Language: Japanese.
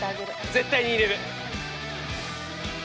絶対に入れる！